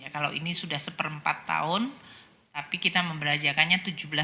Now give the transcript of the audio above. kalau ini sudah seperempat tahun tapi kita memberajakannya tujuh belas